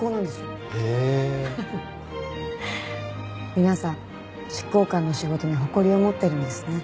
皆さん執行官の仕事に誇りを持ってるんですね。